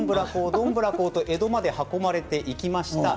どんぶらこと江戸まで運ばれてきました。